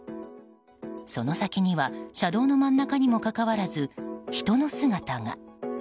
その先には車道の真ん中にもかかわらず人の姿が。